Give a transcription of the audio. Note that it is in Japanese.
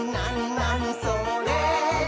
なにそれ？」